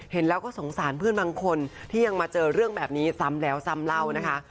เห็นแล้วก็สงสารเพื่อนบางคนที่ยังมาเจอเรื่องแบบนี้ซ้ำแล้วซ้ำเล่านะคะ